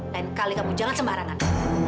lain kali kamu jangan sembarangan